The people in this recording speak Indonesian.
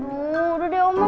aduh udah deh omah